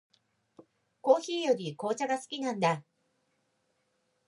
コーヒーより紅茶が好きなんだ。